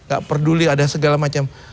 gak peduli ada segala macam